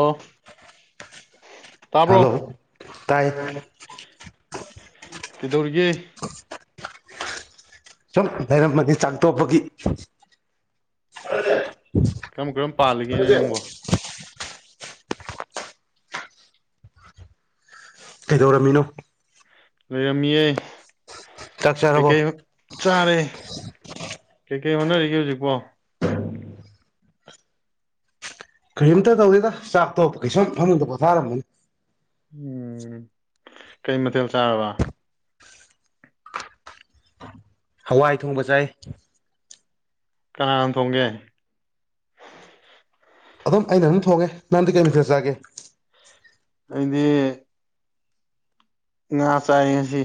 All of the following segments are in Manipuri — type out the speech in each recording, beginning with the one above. ꯑ ꯇꯥꯕ꯭ꯔꯣ ꯍꯜꯂꯣ ꯇꯥꯏ ꯀꯩꯗꯧꯔꯤꯒꯦ ꯁꯨꯝ ꯂꯩꯔꯝꯝꯕꯅꯤ ꯆꯥꯛ ꯇꯣꯛꯄꯒꯤ ꯀꯔꯝ ꯀꯔꯝ ꯄꯥꯜꯂꯤꯒꯦꯅꯦ ꯅꯪꯕꯣ ꯀꯩꯗꯧꯔꯝꯃꯤꯅꯣ ꯂꯩꯔꯝꯃꯤꯌꯦ ꯆꯥꯛ ꯀꯩ ꯆꯥꯔꯕꯣ ꯀꯩ ꯆꯥꯔꯦ ꯀꯩꯀꯩ ꯍꯣꯠꯅꯔꯤꯒꯦ ꯍꯧꯖꯤꯛꯄꯣ ꯀꯔꯤꯝꯇ ꯇꯧꯗꯦꯗ ꯆꯥꯛꯇꯣꯄꯒꯤ ꯁꯨꯝ ꯐꯝꯃꯨꯡꯗ ꯄꯣꯊꯥꯔꯝꯃꯅꯤ ꯎꯝ ꯀꯩ ꯃꯊꯦꯜ ꯆꯥꯔꯕ ꯍꯋꯥꯏ ꯊꯣꯡꯕ ꯆꯥꯏ ꯀꯅꯥꯅ ꯊꯣꯡꯒꯦ ꯑꯗꯨꯝ ꯑꯩꯅ ꯑꯗꯨꯝ ꯊꯣꯡꯉꯦ ꯅꯪꯗꯤ ꯀꯩ ꯃꯊꯦꯜ ꯆꯥꯒꯦ ꯑꯩꯗꯤ ꯉꯥ ꯆꯥꯏ ꯉꯁꯤ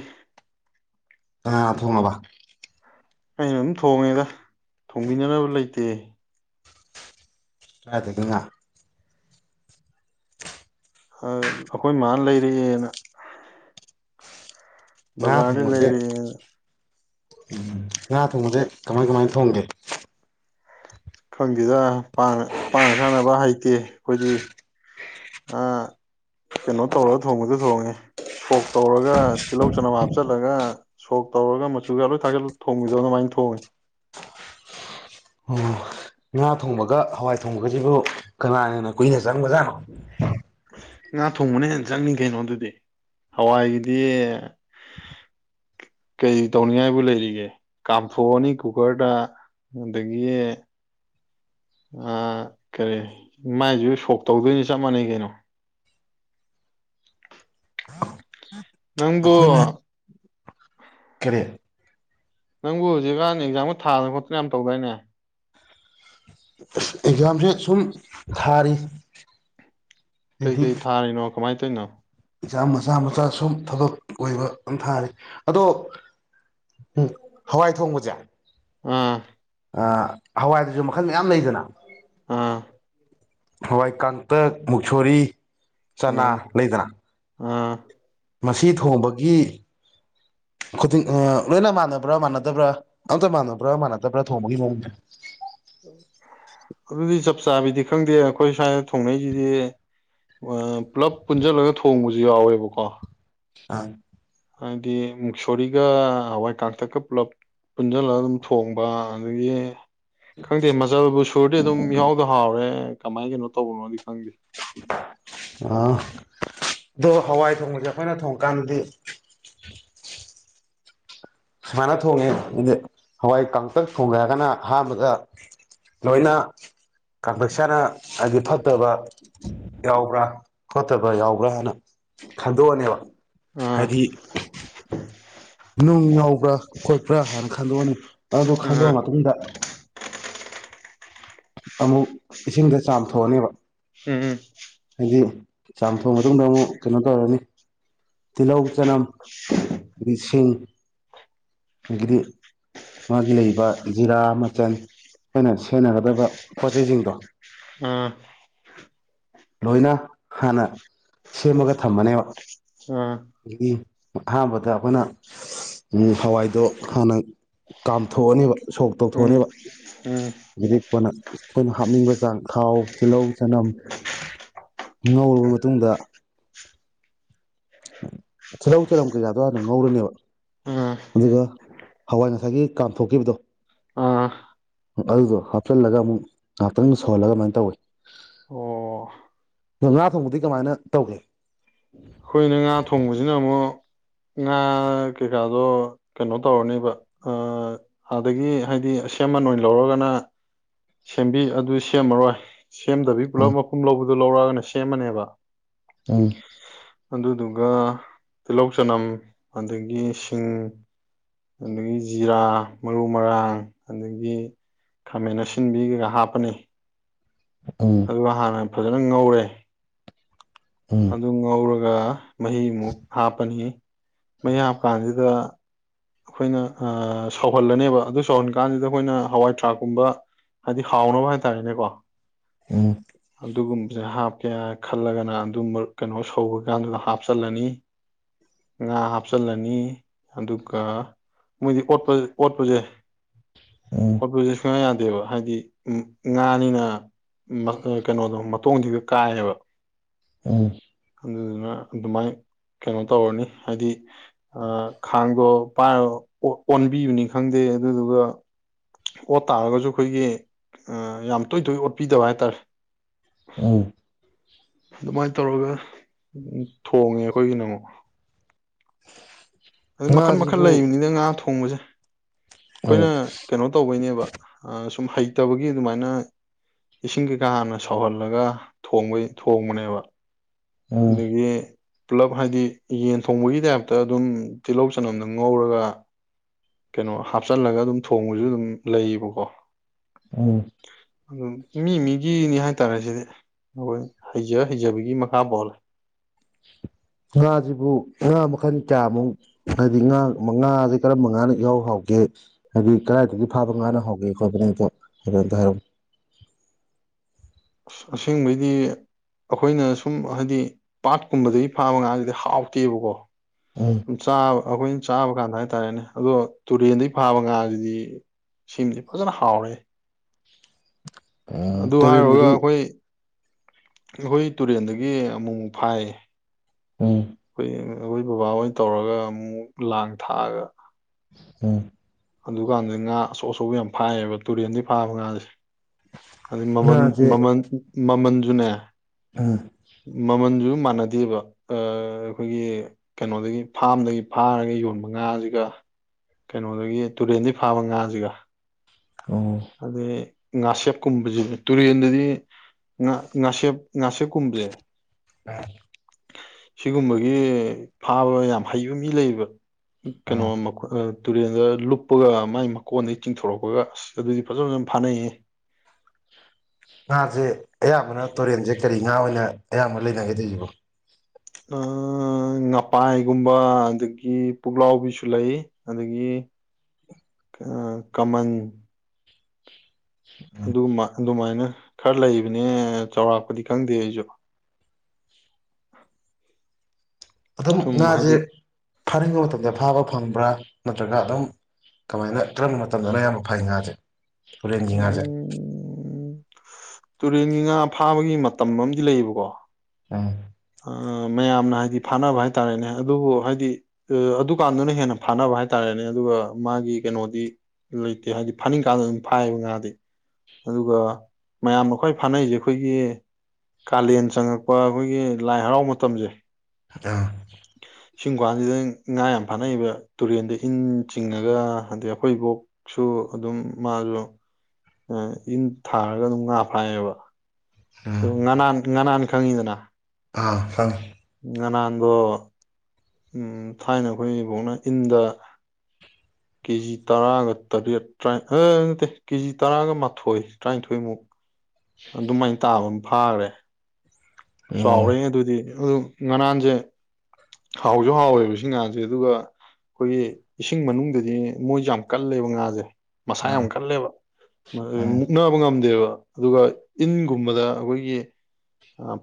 ꯉꯥ ꯊꯣꯡꯉꯕ ꯑꯩꯅ ꯑꯗꯨꯝ ꯊꯣꯡꯉꯦꯗ ꯊꯣꯡꯕꯤꯅꯅꯕ ꯂꯩꯇꯦ ꯀꯥꯏꯗꯒꯤ ꯉꯥ ꯑꯩꯈꯣꯏ ꯃꯥꯅ ꯂꯩꯔꯛꯑꯦꯅ ꯕꯖꯥꯔꯗꯩ ꯂꯩꯔꯛꯑꯦꯅ ꯎꯝ ꯉꯥ ꯊꯣꯡꯕꯁꯦ ꯀꯃꯥꯏ ꯀꯃꯥꯏꯅ ꯊꯣꯡꯒꯦ ꯈꯪꯁꯤꯗ ꯄꯥꯡꯅ ꯁꯥꯟꯅꯕ ꯍꯩꯇꯦ ꯑꯩꯈꯣꯏꯗꯤ ꯀꯩꯅꯣ ꯇꯧꯔꯒ ꯊꯣꯡꯕꯗ ꯊꯣꯡꯉꯦ ꯁꯣꯛ ꯇꯧꯔꯒ ꯇꯤꯜꯍꯧ ꯆꯅꯝ ꯍꯥꯞꯆꯜꯂꯒ ꯁꯣꯛ ꯇꯧꯔꯒ ꯃꯆꯨꯒ ꯂꯣꯏ ꯊꯥꯛꯆꯜꯂꯒ ꯊꯣꯡꯕꯗꯣ ꯑꯗꯨꯃꯥꯏꯅ ꯊꯣꯡꯉꯤ ꯑꯣ ꯉꯥ ꯊꯣꯡꯕꯒ ꯍꯋꯥꯏ ꯊꯣꯡꯕꯒꯁꯤꯕꯨ ꯀꯅꯥꯅꯟꯅ ꯀꯨꯏꯅꯁꯤ ꯆꯪꯕꯖꯥꯠꯅꯣ ꯉꯥ ꯊꯣꯡꯕꯅ ꯍꯦꯟꯅ ꯆꯪꯅꯤ ꯀꯩꯅꯣ ꯑꯗꯨꯗꯤ ꯍꯋꯥꯏꯒꯤꯗꯤ ꯀꯔꯤ ꯇꯧꯅꯤꯡꯉꯥꯏꯕꯨ ꯂꯩꯔꯤꯒꯦ ꯀꯥꯝꯊꯣꯛꯑꯅꯤ ꯀꯨꯀꯔꯗ ꯑꯗꯒꯤ ꯀꯔꯤ ꯃꯥꯏꯁꯨ ꯁꯣꯛ ꯇꯧꯗꯣꯏꯅꯤ ꯆꯞ ꯃꯥꯟꯅꯩ ꯀꯩꯅꯣ ꯅꯪꯕꯨ ꯑꯩꯈꯣꯏꯅ ꯀꯔꯤ ꯅꯪꯕꯨ ꯍꯧꯖꯤꯛꯀꯥꯟ ꯑꯦꯛꯖꯥꯝꯒ ꯊꯥꯗꯅ ꯈꯣꯠꯇꯅ ꯌꯥꯝ ꯇꯧꯗꯥꯏꯅꯦ ꯑꯦꯛꯖꯥꯝꯁꯦ ꯁꯨꯝ ꯊꯥꯔꯤ ꯀꯩ ꯍꯥꯏꯗꯤ ꯀꯩ ꯊꯥꯔꯤꯅꯣ ꯀꯃꯥꯏ ꯇꯣꯏꯅꯣ ꯑꯦꯛꯖꯥꯝ ꯃꯆꯥ ꯃꯆꯥ ꯁꯨꯝ ꯊꯕꯛ ꯑꯣꯏꯕ ꯑꯃꯝ ꯊꯥꯔꯤ ꯑꯗꯣ ꯎ ꯍꯋꯥꯏ ꯊꯣꯡꯕꯁꯦ ꯎꯝ ꯍꯋꯥꯏꯗꯨꯁꯨ ꯃꯈꯜ ꯃꯌꯥꯝ ꯂꯩꯗꯅ ꯑꯝ ꯍꯋꯥꯏ ꯀꯥꯡꯇꯛ ꯃꯨꯛꯁꯣꯔꯤ ꯆꯅꯥ ꯂꯩꯗꯅ ꯑꯝ ꯃꯁꯤ ꯊꯣꯡꯕꯒꯤ ꯈꯨꯗꯤꯡ ꯂꯣꯏꯅ ꯃꯥꯟꯅꯕ꯭ꯔꯥ ꯃꯥꯟꯅꯗꯕ꯭ꯔꯥ ꯑꯝꯇ ꯃꯥꯟꯅꯕ꯭ꯔꯥ ꯃꯥꯟꯅꯗꯕ꯭ꯔꯥ ꯊꯣꯡꯕꯒꯤ ꯃꯑꯣꯡꯁꯦ ꯑꯗꯨꯗꯤ ꯆꯞ ꯆꯥꯕꯤꯗꯤ ꯈꯪꯗꯦ ꯑꯩꯈꯣꯏ ꯁ꯭ꯋꯥꯏꯗ ꯊꯣꯡꯅꯩꯁꯤꯗꯤ ꯄꯨꯂꯞ ꯄꯨꯟꯁꯤꯜꯂꯒ ꯊꯣꯡꯕꯁꯨ ꯌꯥꯎꯋꯦꯕꯀꯣ ꯑꯝ ꯍꯥꯏꯗꯤ ꯃꯨꯛꯁꯣꯔꯤꯒ ꯍꯋꯥꯏ ꯀꯥꯡꯇꯛꯀ ꯄꯨꯜꯂꯞ ꯄꯨꯟꯁꯤꯜꯂꯒ ꯑꯗꯨꯝ ꯊꯣꯡꯕ ꯑꯗꯒꯤ ꯈꯪꯗꯦ ꯃꯖꯜꯕꯨ ꯁꯨꯔꯗꯤ ꯑꯗꯨꯝ ꯏꯍꯥꯎꯗ-ꯍꯥꯎꯔꯦ ꯀꯃꯥꯏꯒꯅꯣ ꯇꯧꯕꯃꯒꯤ ꯑꯥ ꯗꯣ ꯍꯋꯥꯏ ꯊꯣꯡꯕꯁꯦ ꯑꯩꯈꯣꯏꯅ ꯊꯣꯡꯕꯀꯥꯟꯗꯗꯤ ꯃꯅ ꯊꯣꯡꯉꯦ ꯏꯗꯤ [unintelligible] ꯍꯋꯥꯏ ꯀꯇꯛ ꯊꯣꯡꯒꯦ ꯍꯥꯏꯔꯒꯅ ꯑꯍꯥꯟꯕꯗ ꯂꯣꯏꯅ ꯀꯥꯡꯇꯛꯁꯦ ꯍꯥꯟꯅ ꯍꯥꯏꯗꯤ ꯐꯠꯇꯕ ꯌꯥꯎꯕ꯭ꯔꯥ ꯐꯣꯠꯇꯕ ꯌꯥꯎꯕ꯭ꯔꯥ ꯍꯥꯟꯅ ꯈꯟꯗꯣꯛꯑꯅꯦꯕ ꯑꯥ ꯍꯥꯏꯗꯤ [unintelligible] ꯅꯨꯡ ꯌꯥꯎꯕ꯭ꯔꯥ ꯈꯣꯠꯄ꯭ꯔꯥ ꯍꯥꯏꯅ ꯈꯟꯗꯣꯛꯑꯅꯤ ꯑꯗꯨ ꯑꯥ ꯈꯟꯗꯣꯛꯑ ꯃꯇꯨꯡꯗ ꯑꯃꯨꯛ ꯏꯁꯤꯡꯗ ꯆꯥꯝꯊꯣꯛ [unintelligible] ꯊꯣꯑꯅꯦꯕ ꯎꯝ-ꯎꯝ ꯗꯤ ꯆꯥꯝꯊꯣꯛ ꯃꯇꯨꯡꯗ ꯑꯃꯨꯛ ꯀꯩꯅꯣ ꯇꯧꯔꯅꯤ ꯇꯤꯜꯍꯧ ꯆꯅꯝ ꯑꯗꯒꯤ ꯁꯤꯡ ꯑꯗꯒꯤꯗꯤ ꯃꯥꯒꯤ ꯂꯩꯕ ꯖꯤꯔꯥ ꯃꯆꯜ ꯑꯩꯈꯣꯏꯅ ꯁꯦꯟꯅꯒꯗꯕ ꯄꯣꯠꯆꯩ ꯁꯤꯡꯗꯣ ꯑꯥ ꯂꯣꯏꯅ ꯍꯥꯟꯅ ꯁꯦꯝꯃꯒ ꯊꯝꯃꯅꯦꯕ ꯑꯥ ꯑꯗꯒꯤ ꯑꯍꯥꯟꯕꯗ ꯑꯩꯈꯣꯏꯅ ꯍꯋꯥꯏꯗꯣ ꯍꯥꯟꯅ ꯀꯥꯝꯊꯣꯛꯑꯅꯦꯕ ꯁꯣꯛ ꯎꯝ ꯇꯧꯊꯣꯛꯑꯅꯦꯕ ꯎꯝ ꯑꯗꯒꯤꯗꯤ ꯑꯩꯈꯣꯏꯅ ꯑꯩꯈꯣꯏꯅ ꯍꯥꯞꯅꯤꯡꯕ ꯆꯥꯡ ꯊꯥꯎ ꯇꯤꯜꯍꯧ ꯆꯅꯝ ꯉꯧꯔꯕ ꯃꯇꯨꯡꯗ ꯇꯤꯜꯍꯧ ꯆꯟꯝ ꯀꯩꯀꯥꯗꯣ ꯍꯥꯟꯅ ꯉꯧꯔꯅꯦꯕ ꯑꯥ ꯑꯗꯨꯒ ꯍꯋꯥꯏ ꯉꯁꯥꯏꯒꯤ ꯀꯥꯝꯊꯣꯛꯈꯤꯕꯗꯣ ꯑꯥ ꯑꯗꯨꯗꯣ ꯍꯥꯞꯆꯤꯜꯂꯒ ꯑꯃꯨꯛ ꯉꯥꯇꯪ ꯁꯧꯍꯜꯂꯒ ꯑꯗꯨꯃꯥꯏꯅ ꯇꯧꯋꯦ ꯑꯣ ꯉꯥꯊꯣꯡꯕꯗꯤ ꯀꯃꯥꯏꯅ ꯇꯧꯒꯦ ꯑꯩꯈꯣꯏꯅ ꯉꯥ ꯊꯣꯡꯕꯁꯤꯅ ꯑꯃꯨꯛ ꯉꯥ ꯀꯩꯀꯥꯗꯣ ꯀꯩꯅꯣ ꯇꯧꯔꯅꯦꯕ ꯑꯥ---ꯑꯥꯗꯒꯤ ꯍꯥꯏꯗꯤ ꯑꯁꯦꯝꯃꯟ ꯑꯣꯏꯅ ꯂꯧꯔꯒꯅ ꯁꯦꯝꯕꯤ ꯑꯗꯨ ꯁꯦꯝꯃꯔꯣꯏ ꯁꯦꯝꯗꯕꯤ ꯄꯨꯂꯞ ꯃꯄꯨꯝ ꯂꯧꯕ ꯑꯗꯨ ꯂꯧꯔꯑꯒꯅ ꯁꯦꯝꯃꯅꯦꯕ ꯎꯝ [inaudible] ꯑꯗꯨꯗꯨꯒ ꯇꯤꯜꯍꯧ ꯆꯅꯝ ꯑꯗꯒꯤ ꯁꯤꯡ ꯑꯗꯒꯤ ꯖꯤꯔꯥ ꯃꯔꯨ ꯃꯔꯥꯡ ꯑꯗꯒꯤ ꯈꯥꯃꯦꯟ ꯑꯁꯤꯟꯕꯤꯒ ꯍꯥꯞꯄꯅꯤ ꯎꯝ ꯑꯗꯨꯒ ꯍꯥꯟꯅ ꯐꯖꯅ ꯉꯧꯔꯦ ꯎꯝ ꯑꯗꯨ ꯉꯧꯔ ꯒ ꯃꯍꯤꯃꯨꯛ ꯍꯥꯞꯄꯅꯤ ꯃꯍꯤ ꯍꯥꯞꯄꯀꯥꯟꯁꯤꯗ ꯑꯩꯈꯣꯏꯅ ꯑ ꯁꯧꯍꯜꯂꯅꯦꯕ ꯑꯗꯨ ꯁꯧꯍꯟ ꯀꯥꯟꯁꯤꯗ ꯑꯩꯈꯣꯏꯅ ꯍꯋꯥꯏ ꯊꯔꯥꯛꯀꯨꯝꯕ ꯍꯥꯏꯗꯤ ꯍꯥꯎꯅꯕ ꯍꯥꯏꯇꯥꯔꯦꯅꯦꯀꯣ ꯎꯝ ꯑꯗꯨꯨꯒꯨꯝ [unintelligible] ꯍꯥꯞꯀꯦ ꯈꯜꯂꯒꯅ ꯑꯗꯨꯝ ꯀꯩꯅꯣ ꯁꯧꯕꯀꯥꯟꯗꯨꯗ ꯍꯥꯞꯆꯤꯜꯂꯅꯤ ꯉꯥ ꯍꯥꯞꯆꯤꯜꯂꯅꯤ ꯑꯗꯨ ꯀ--ꯃꯣꯏꯗꯤ ꯑꯣꯠꯄ-ꯑꯣꯠꯄꯁꯦ ꯎꯝ ꯑꯣꯠꯄꯁꯦ ꯁꯨꯡꯌꯥ-ꯌꯥ ꯗꯦꯕ ꯍꯥꯏꯗꯤ ꯎꯝ ꯉꯥꯅꯤꯅ ꯎꯝ ꯃꯥ ꯀꯩ-ꯀꯩꯅꯣꯗꯣ ꯃꯇꯣꯡꯘꯣ ꯍꯦꯛꯇ ꯀꯥꯏꯌꯦꯕ ꯑꯝ ꯑꯗꯨꯗꯨꯅ ꯑꯗꯨꯃꯥꯏꯅ ꯀꯩꯅꯣ ꯇꯧꯔꯅꯤ ꯍꯥꯏꯗꯤ ꯑꯥ ꯈꯥꯡꯗꯣ ꯄꯥꯏꯔꯒ ꯑꯣꯠ ꯑꯣꯟꯕꯤꯕꯅꯤ ꯈꯪꯗꯦ ꯑꯗꯨꯗꯨꯒ ꯑꯣꯠ ꯇꯥꯔꯒꯁꯨ ꯑꯩꯈꯣꯏꯒꯤ ꯑꯥ ꯌꯥꯝ ꯇꯣꯏ ꯇꯣꯏ ꯑꯣꯠꯄꯤꯗꯕ ꯍꯥꯏꯇꯥꯔꯦ ꯎꯝ ꯑꯗꯨꯃꯥꯏꯅ ꯇꯧꯔꯒ [unintelligible] ꯊꯣꯡꯉꯦ ꯑꯩꯈꯣꯏꯒꯤꯅ ꯑꯃꯨꯛ ꯑꯗꯨ ꯃꯈꯟ ꯃꯈꯟ ꯉꯥꯁꯤꯕꯨ ꯂꯩꯕꯅꯤꯅ ꯉꯥ ꯊꯣꯡꯕꯁꯦ ꯎꯝ ꯑꯩꯈꯣꯏꯅ ꯀꯩꯅꯣ ꯇꯧꯕꯩꯅꯦꯕ ꯑꯥ ꯁꯨꯝ ꯍꯩꯇꯕꯒꯤ ꯑꯗꯨꯃꯥꯏꯅ ꯏꯁꯤꯡ ꯀꯩꯀꯥ ꯍꯥꯟꯅ ꯁꯧꯍꯜꯂꯒ ꯊꯣꯡꯕꯩ ꯊꯣꯡꯕꯅꯦꯕ ꯎꯝ ꯑꯗꯒꯤ ꯄꯨꯂꯞ ꯍꯥꯏꯗꯤ ꯌꯦꯟ ꯊꯣꯡꯕꯒꯤ ꯇꯥꯏꯞꯇ ꯑꯗꯨꯝ ꯇꯤꯜꯍꯧ ꯆꯅꯝꯗ ꯉꯧꯔꯒ ꯀꯩꯅꯣ ꯍꯥꯞꯆꯜꯂꯒ ꯑꯗꯨꯝ ꯊꯣꯡꯕꯁꯨ ꯑꯗꯨꯝ ꯂꯩꯌꯦꯕꯀꯣ ꯎꯝ ꯑꯗꯨ ꯃꯤ ꯃꯤꯒꯤꯅꯤ ꯍꯥꯏꯇꯥꯔꯦ ꯁꯤꯗꯤ ꯑꯩꯈꯣꯏ ꯍꯩꯖ ꯍꯩꯖꯕꯒꯤ ꯃꯈꯥ ꯄꯣꯜꯂꯦ ꯉꯥꯁꯤꯕꯨ ꯉꯥ ꯃꯈꯜ ꯀꯌꯥꯃꯨꯛ ꯍꯥꯏꯗꯤ ꯉꯥ ꯉꯥꯁꯦ ꯀꯔꯝꯕ ꯉꯥꯅ ꯏꯍꯥꯎ ꯍꯧꯒꯦ ꯍꯥꯏꯗꯤ ꯀꯗꯥꯏꯗꯒꯤ ꯐꯥꯕ ꯉꯥꯅ ꯍꯥꯎꯒꯦ ꯈꯣꯠꯄꯅꯣꯗꯣ ꯑꯝꯇ ꯍꯥꯏꯔꯝꯃꯨ ꯑꯥꯁ ꯑꯁꯦꯡꯕꯩꯗꯤ ꯑꯩꯈꯣꯏꯅ ꯁꯨꯝ ꯍꯥꯏꯗꯤ ꯄꯥꯠꯀꯨꯝꯕꯗꯒꯤ ꯐꯥꯕ ꯉꯥꯁꯤꯗꯤ ꯍꯥꯎꯇꯦꯕꯀꯣ ꯎꯝ ꯁꯨꯝ ꯆꯥꯕ ꯑꯩꯈꯣꯏꯅ ꯆꯥꯕ ꯀꯥꯟꯗ ꯍꯥꯏꯇꯥꯔꯦꯅꯦ ꯑꯗꯣ ꯇꯨꯔꯦꯟꯗꯒꯤ ꯐꯥꯕ ꯉꯥꯁꯤꯗꯤ ꯁꯤꯃꯥꯗꯤ ꯐꯖꯅ ꯍꯥꯎꯔꯦꯍꯦ ꯎꯝ ꯑꯗꯨ ꯍꯥꯏꯔꯨꯔꯒ ꯇꯨꯔꯦꯟꯗꯗꯤ ꯑꯩꯈꯣꯏ ꯑꯩꯈꯣꯏ ꯇꯨꯔꯦꯟꯗꯒꯤ ꯑꯃꯨꯛꯃꯨꯛ ꯐꯥꯏꯌꯦ ꯎꯝ [unintelligible] ꯑꯩꯈꯣꯏ ꯕꯕꯥ ꯍꯣꯏꯅ ꯇꯧꯔꯒ ꯑꯃꯨꯛꯃꯨꯛ ꯂꯥꯡ ꯊꯥꯛꯑꯒ ꯎꯝ ꯑꯗꯨꯀꯥꯟꯗꯗꯤ ꯉꯥ ꯑꯆꯧ ꯑꯆꯧꯕ ꯌꯥꯝ ꯐꯥꯏꯌꯦꯕ ꯇꯨꯔꯦꯟꯗꯤ ꯐꯥꯕ ꯉꯥꯁꯦ ꯑꯗ ꯃꯃꯟ ꯉꯥꯁꯦ ꯃꯃꯜ ꯃꯃꯜ ꯎꯝ [unintelligible] ꯃꯥꯃꯟꯖꯨ ꯑꯗꯨ ꯃꯥꯟꯅꯗꯦꯕ ꯑꯥ ꯑꯩꯈꯣꯏꯒꯤ ꯀꯩꯅꯣꯗꯒꯤ ꯐꯥꯝꯗꯒꯤ ꯐꯥꯔꯒ ꯌꯣꯟꯕ ꯉꯥꯁꯤꯒ ꯀꯩꯅꯣꯗꯒꯤ ꯇꯨꯔꯦꯟꯗꯒꯤ ꯐꯥꯕ ꯉꯥꯁꯤꯒ ꯑꯣ ꯑꯗꯒꯤ ꯉꯥꯁꯦꯞꯀꯨꯝꯕꯕꯁꯤꯅꯦ ꯇꯨꯔꯦꯟꯗꯗꯤ ꯉꯥ ꯉꯥꯁꯦꯞ ꯉꯥꯁꯦꯞꯀꯨꯝꯕꯁꯦ ꯑꯥ ꯁꯤꯒꯨꯝꯕꯒꯤ ꯐꯥꯕ ꯌꯥꯝ ꯍꯩꯕ ꯃꯤ ꯂꯩꯕ ꯀꯩꯅꯣ ꯑꯥ [unintelligible] ꯇꯨꯔꯦꯟꯗ ꯂꯨꯞꯄꯒ ꯃꯥꯏ ꯃꯀꯣꯟꯗꯒꯤ ꯆꯤꯡꯊꯣꯔꯛꯄꯒ ꯑꯥꯁ ꯑꯗꯨꯗꯤ ꯐꯖ ꯐꯖꯅ ꯐꯥꯅꯩꯌꯦ ꯉꯥꯁꯦ ꯑꯌꯥꯝꯕꯅ ꯇꯨꯔꯦꯟꯁꯦ ꯀꯔꯤ ꯉꯥ ꯑꯣꯏꯅ ꯑꯌꯥꯝꯕ ꯂꯩꯅꯒꯗꯣꯏꯖꯤꯕꯣ ꯑꯥꯥ ꯉꯄꯥꯏꯒꯨꯝꯕ ꯑꯗꯒꯤ ꯄꯨꯛꯂꯥꯎꯕꯤꯁꯨ ꯂꯩ ꯑꯗꯒꯤ ꯀꯃꯟ ꯑꯗꯨꯃꯥ ꯑꯗꯨꯃꯥꯏꯅ ꯈꯔ ꯂꯩꯕꯅꯦ ꯆꯥꯎꯔꯥꯛꯄꯗꯤ ꯈꯪꯗꯦ ꯑꯩꯁꯨ ꯑꯗꯨꯝ ꯁꯨꯝ ꯉꯖꯦ ꯍꯥꯏꯗꯤ ꯐꯥꯅꯤꯡꯕ ꯃꯇꯝꯗ ꯐꯥꯕ ꯐꯪꯕ꯭ꯔꯥ ꯅꯠꯇ꯭ꯔꯒ ꯑꯗꯨꯝ ꯀꯃꯥꯏꯅ ꯀꯔꯝꯕ ꯃꯇꯝꯗꯅ ꯑꯌꯥꯝꯕ ꯐꯥꯏ ꯉꯥꯖꯦ ꯎꯝ ꯇꯨꯔꯦꯟꯒꯤ ꯉꯥ ꯐꯥꯕꯒꯤ ꯃꯇꯝ ꯑꯃꯗꯤ ꯂꯩꯌꯦꯕꯀꯣ ꯎꯝ꯫ ꯑꯥ ꯃꯌꯥꯝꯅ ꯍꯥꯏꯗꯤ ꯐꯥꯅꯕ ꯍꯥꯏꯇꯥꯔꯦꯅꯦ ꯑꯗꯨꯕꯨ ꯍꯥꯏꯗꯤ ꯑ ꯑꯗꯨꯀꯥꯟꯗꯨꯅ ꯍꯦꯟꯅ ꯐꯥꯅꯕ ꯍꯥꯏꯇꯥꯥꯔꯦꯅꯦ ꯑꯗꯨꯒ ꯃꯥꯒꯤ ꯀꯩꯅꯣꯗꯤ ꯂꯩꯇꯦ ꯍꯥꯏꯗꯤ ꯐꯥꯅꯤꯡꯀꯥꯟꯗ ꯑꯗꯨꯝ ꯐꯥꯏꯌꯦꯕ ꯉꯥꯗꯤ ꯑꯗꯨꯒ ꯃꯌꯥꯝꯅ ꯈꯋꯥꯏ ꯐꯥꯅꯩꯖꯦ ꯑꯩꯈꯣꯏꯒꯤ ꯀꯥꯂꯦꯟ ꯆꯪꯉꯛꯄ ꯑꯩꯈꯣꯏꯒꯤ ꯂꯥꯏ ꯍꯔꯥꯎ ꯃꯇꯝꯖꯦ ꯑꯝ꯫ ꯁꯤꯒꯨꯝ ꯀꯥꯟꯁꯤꯗ ꯉꯥ ꯌꯥꯝ ꯐꯥꯅꯩꯑꯕ ꯇꯨꯔꯦꯟꯗ ꯏꯟ ꯆꯤꯡꯉꯒ ꯑꯗꯩ ꯑꯩꯈꯣꯏꯕꯣꯛꯁꯨ ꯑꯗꯨꯝ ꯃꯥꯁꯨ ꯏꯟ ꯊꯥꯔꯒ ꯑꯗꯨꯝ ꯉꯥ ꯐꯥꯏꯌꯦꯕ꯫ ꯎꯝ ꯉꯅꯥꯟ ꯉꯅꯥꯟ ꯈꯪꯉꯤꯗꯅ ꯑꯥ ꯈꯪꯉꯦ꯫ ꯉꯅꯥꯟꯗꯣ ꯎꯝ ꯊꯥꯏꯅ ꯑꯈꯣꯏ ꯏꯕꯣꯛꯅ ꯏꯟꯗ ꯀꯦꯖꯤ ꯇꯔꯥꯒ ꯇꯔꯦꯠ ꯑꯩ ꯅꯠꯇꯦ ꯀꯦꯖꯤ ꯇꯔꯥꯒ ꯃꯥꯊꯣꯏ ꯇꯔꯥꯅꯤꯊꯣꯏꯃꯨꯛ ꯑꯗꯨꯃꯥꯏꯅ ꯇꯥꯕ ꯑꯃ ꯐꯥꯒꯔꯦ꯫ ꯑꯣ ꯆꯥꯎꯔꯦꯍꯦ ꯑꯗꯨꯗꯤ ꯑꯗꯨ ꯉꯅꯥꯟꯖꯦ ꯍꯥꯎꯖꯨ ꯍꯥꯎꯋꯦꯕ ꯁꯤ ꯉꯥꯁꯦ ꯑꯗꯨꯒ ꯑꯩꯈꯣꯏꯒꯤ ꯏꯁꯤꯡ ꯃꯅꯨꯡꯗꯗꯤ ꯃꯣꯏꯖꯦ ꯌꯥꯝ ꯀꯜꯂꯦꯕ ꯉꯥꯖꯦ꯫ ꯃꯁꯥ ꯌꯥꯝ ꯑꯥ ꯀꯜꯂꯦꯕ ꯃꯗꯤ ꯎꯝ ꯃꯨꯛꯅꯕ ꯉꯝꯗꯦꯕ꯫ ꯑꯗꯨꯒ ꯏꯟꯒꯨꯝꯕꯗ ꯑꯩꯈꯣꯏꯒꯤ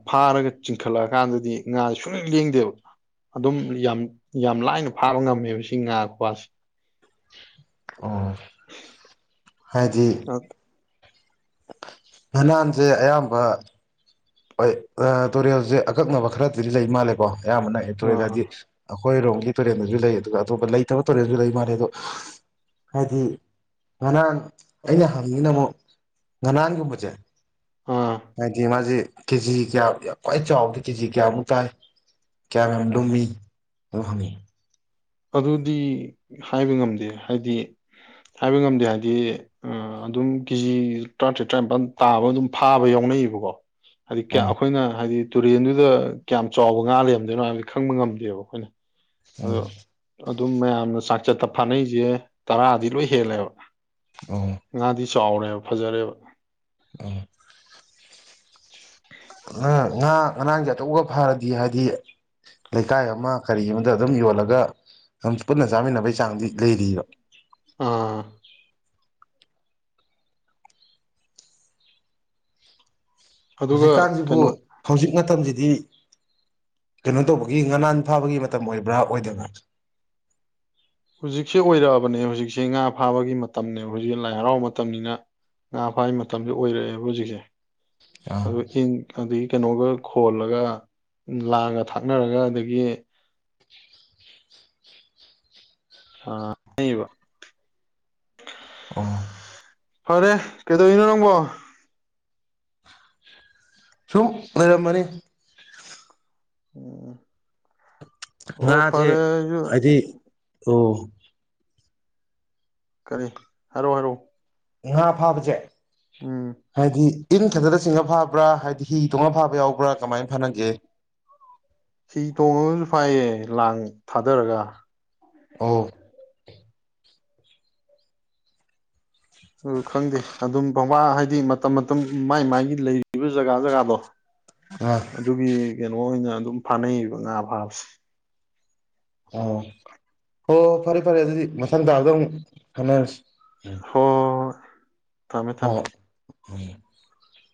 ꯐꯥꯔꯒ ꯆꯤꯡꯈꯠꯂꯛꯑꯀꯥꯟꯗꯗꯤ ꯉꯥꯖꯦ ꯁꯨꯡꯂꯦꯡ ꯂꯦꯡꯗꯦꯕ꯫ ꯑꯗꯨꯝ ꯌꯥꯝ ꯌꯥꯝ ꯂꯥꯏꯅ ꯐꯥꯕ ꯉꯝꯃꯦꯕ ꯁꯤ ꯉꯥ ꯈꯨꯐꯥꯁꯦ꯫ ꯑꯣ ꯍꯥꯏꯗꯤ ꯉꯥꯅꯥꯟꯁꯦ ꯑꯌꯥꯝꯕ ꯍꯣꯏ ꯇꯨꯔꯦꯜꯁꯦ ꯑꯀꯛꯅꯕ ꯈꯔꯗꯤ ꯂꯩ ꯃꯥꯜꯂꯦꯀꯣ ꯑꯌꯥꯝꯕꯅ [unintelligible] ꯑꯥ ꯑꯩꯈꯣꯏꯔꯣꯝꯒꯤ ꯇꯨꯔꯦꯜꯗꯖꯨ ꯂꯩ ꯑꯗꯨꯒ ꯑꯇꯣꯄ ꯂꯩꯇꯕ ꯇꯨꯔꯦꯜꯖꯨ ꯂꯩ ꯃꯥꯜꯂꯦ ꯑꯗꯣ ꯍꯥꯏꯗꯤ ꯉꯥꯅꯥꯟ ꯑꯩꯅ ꯍꯪꯅꯤꯡꯉꯤꯅ ꯑꯃꯨꯛ ꯉꯥꯅꯥꯟꯒꯨꯝꯕꯖꯦ ꯑꯥ ꯍꯥꯗꯤ ꯃꯥꯖꯤ ꯀꯦꯖꯤ ꯀꯌꯥ ꯈ꯭ꯋꯥꯏ ꯆꯥꯎꯕꯗ ꯀꯦꯖꯤ ꯀꯌꯥꯃꯨꯛ ꯇꯥꯏ ꯀꯌꯥꯝ ꯌꯥꯝ ꯂꯨꯝꯃꯤ ꯑꯗꯨ ꯍꯪꯅꯤꯡꯉꯤ꯫ ꯑꯗꯨꯗꯤ ꯍꯥꯏꯕ ꯉꯝꯗꯦ ꯍꯥꯏꯗꯤ ꯍꯥꯏꯕ ꯉꯝꯗꯦ ꯍꯥꯏꯗꯤ ꯑꯗꯨꯝ ꯀꯦꯖꯤ ꯇꯔꯥꯇꯔꯦꯠ ꯇꯔꯥꯅꯤꯄꯜ ꯇꯥꯕ ꯑꯗꯨꯝ ꯐꯥꯕ ꯌꯥꯎꯅꯩꯌꯦꯕꯀꯣ ꯍꯥꯏꯗꯤ ꯀꯌꯥ ꯎꯝ ꯑꯈꯣꯏꯅ ꯍꯥꯏꯗꯤ ꯇꯨꯔꯦꯟꯗꯨꯗ ꯀꯌꯥꯝ ꯆꯥꯎꯕ ꯉꯥ ꯂꯩꯔꯝꯗꯣꯏꯅꯣ ꯍꯥꯏꯕꯗꯤ ꯈꯪꯕ ꯉꯝꯗꯦꯕ ꯑꯩꯈꯣꯏꯅ꯫ ꯎꯝ꯫ ꯑꯗꯣ ꯑꯗꯨꯝ ꯃꯌꯥꯝꯅ ꯆꯥꯛꯆꯠꯇ ꯐꯥꯅꯩꯁꯦ ꯇꯔꯥꯗꯤ ꯂꯣꯏ ꯍꯦꯜꯂꯦꯕ꯫ ꯑꯣ꯫ ꯉꯥꯗꯤ ꯆꯥꯎꯔꯦꯕ ꯐꯖꯔꯦꯕ꯫ ꯎꯝ꯫ ꯎꯝ ꯉꯥ ꯉꯟꯥꯟ ꯑꯆꯧꯕ ꯑꯃ ꯐꯥꯔꯗꯤ ꯍꯥꯏꯗꯤ ꯂꯩꯀꯥꯏ ꯑꯃ ꯀꯔꯤ ꯑꯃꯗ ꯑꯗꯨꯝ ꯌꯣꯜꯂꯒ ꯑꯗꯨꯝ ꯄꯨꯟꯅ ꯆꯥꯃꯤꯟꯅꯕꯩ ꯆꯥꯡꯗꯤ ꯂꯩꯔꯤꯕ [unintelligible] ꯑꯥ ꯑꯗꯨꯒ ꯍꯧꯖꯤꯛꯀꯥꯟꯁꯤꯕꯨ ꯀꯩꯅꯣ ꯍꯧꯖꯤꯛ ꯃꯇꯝꯁꯤ ꯗꯤ ꯀꯩꯅꯣ ꯇꯧꯕꯒꯤ ꯉꯅꯥꯟ ꯐꯥꯕꯒꯤ ꯃꯇꯝ ꯑꯣꯏꯕ꯭ꯔꯥ ꯑꯣꯏꯗꯕ꯭ꯔꯥ ꯍꯧꯖꯤꯛꯁꯦ ꯑꯣꯏꯔꯛꯑꯕꯅꯦ ꯍꯧꯖꯤꯛꯁꯦ ꯉꯥ ꯐꯥꯕꯒꯤ ꯃꯇꯝꯅꯦ ꯍꯧꯖꯤꯛꯁꯦ ꯂꯥꯏ ꯍꯔꯥꯎꯕ ꯃꯇꯝꯅꯤꯅ ꯉꯥ ꯐꯥꯕ ꯃꯇꯝꯁꯦ ꯑꯣꯏꯔꯛꯑꯦꯕ ꯍꯧꯖꯤꯛꯁꯦ ꯑ ꯑꯥ ꯏ ꯈꯥꯗꯤꯟ ꯀꯩꯅꯣꯒ ꯈꯣꯜꯂꯒ ꯂꯥꯡꯒ ꯊꯥꯛꯅꯔꯒ ꯑꯗꯒꯤ ꯑ ꯑꯅꯩꯕ ꯑ ꯐꯔꯦ ꯀꯩꯗꯧꯔꯤꯅꯣ ꯅꯪꯕꯣ ꯁꯨꯛ ꯂꯩꯔꯝꯕꯅꯤ ꯎꯝ [inaudible] ꯑꯣ ꯉꯥꯖꯦ ꯐꯔꯦ ꯑꯩꯁꯨ ꯍꯥꯏꯗꯤ ꯑꯣ ꯀꯔꯤ ꯍꯥꯏꯔꯣ ꯍꯥꯏꯔꯣ ꯉꯥ ꯐꯕꯥꯖꯦ ꯍꯥꯏꯗꯤ ꯏꯟ ꯈꯛꯇꯗ ꯆꯤꯡꯉ ꯐꯥꯕ꯭ꯔꯥ ꯍꯥꯏꯗꯤ ꯍꯤ ꯇꯣꯡꯉ ꯐꯥꯕ ꯌꯥꯎꯕ꯭ꯔꯥ ꯀꯃꯥꯏꯅ ꯐꯅꯒꯦ ꯍꯤ ꯇꯣꯡꯉꯒꯁꯨ ꯐꯥꯏꯌꯦ ꯂꯥꯡ ꯊꯥꯗꯔꯒ ꯑꯣ ꯎ ꯈꯪꯗꯦ ꯑꯗꯨꯝ ꯋꯥ ꯍꯥꯏꯗꯤ ꯃꯇꯝ ꯃꯇꯝ ꯃꯥꯏ ꯃꯥꯏꯒꯤ ꯂꯩꯔꯤꯕ ꯖꯒꯥ ꯖꯒꯥꯗꯣ ꯑꯥ ꯑꯗꯨꯒꯤ ꯀꯩꯅꯣ ꯑꯣꯏꯅ ꯑꯗꯨꯝ ꯐꯥꯅꯩꯌꯦꯕ ꯉꯥ ꯐꯥꯕꯁꯦ ꯑ ꯍꯣ ꯐꯔꯦ ꯐꯔꯦ ꯑꯗꯨꯗꯤ ꯃꯊꯪ ꯍꯣꯏ ꯇꯥꯗ ꯑꯃꯨꯛ ꯈꯅꯔꯁꯦ ꯎꯝ ꯍꯣꯏ ꯊꯝꯃꯦ ꯍꯣꯏ ꯊꯝꯃꯦ ꯍꯣꯏ ꯎꯝ [unintelligible]